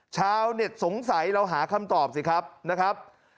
ชาวเน็ตสงสัยเราหาคำตอบสิครับนะครับ